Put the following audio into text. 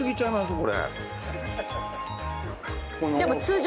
これ。